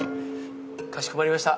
かしこまりました。